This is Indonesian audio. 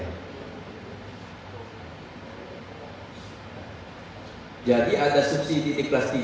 tetap ada subsidi dari pemerintah